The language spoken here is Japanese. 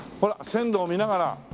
線路を見ながら。